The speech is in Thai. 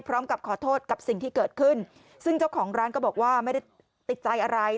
พร้อมกับขอโทษกับสิ่งที่เกิดขึ้นซึ่งเจ้าของร้านก็บอกว่าไม่ได้ติดใจอะไร